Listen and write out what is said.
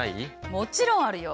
もちろんあるよ！